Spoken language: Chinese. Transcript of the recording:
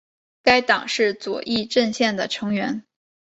该党是左翼阵线的成员。